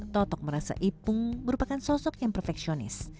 totok merasa ipung merupakan sosok yang perfeksionis